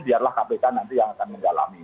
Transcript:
biarlah kpk nanti yang akan mendalami